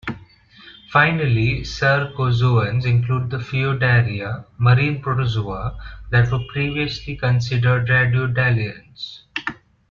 Finally, cercozoans include the Phaeodarea, marine protozoa that were previously considered radiolarians.